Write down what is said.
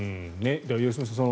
良純さん